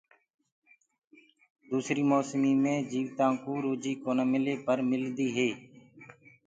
دوسريٚ موسميٚ مي جيوتآنٚ ڪو روجيٚ ڪونآ ملي ملدي هي پر